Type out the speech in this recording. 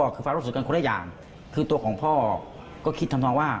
คือความรู้สึกกันคนละอย่างคือตัวของพ่อก็คิดทำนองว่า